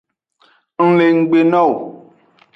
Ng le nggbe no wo.